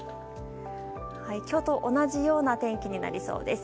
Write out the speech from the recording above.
今日と同じような天気になりそうです。